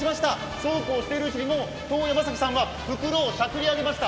そうこうしているうちに、もう東山崎さんは袋をしゃくり上げました。